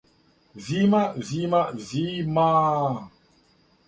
Зима, Зима, Зимааа